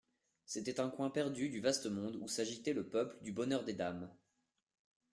C'était un coin perdu du vaste monde où s'agitait le peuple du Bonheur des Dames.